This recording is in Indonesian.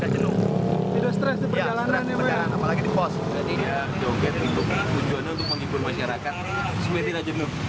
joget itu tujuannya untuk menghibur masyarakat sehingga kita jenuh